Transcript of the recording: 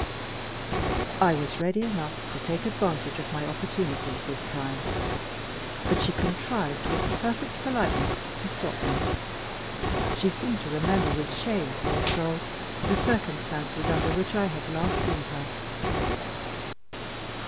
I was ready enough to take advantage of my opportunities this time; but she contrived with perfect politeness to stop me. She seemed to remember with shame, poor soul, the circumstances under which I had last seen her.